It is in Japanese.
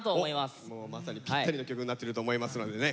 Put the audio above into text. まさにぴったりの曲になってると思いますのでね